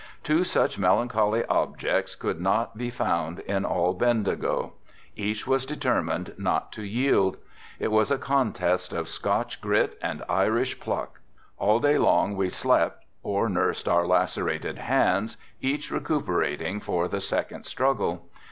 Two such melancholy objects could not be found in all Bendigo. Each was determined not to yield. It was a contest of Scotch grit and Irish pluck. All day long we slept or nursed our lacerated hands, each recuperating for the second struggle.